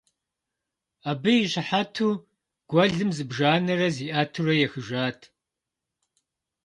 Абы и щыхьэту гуэлым зыбжанэрэ зиӀэтурэ ехыжат.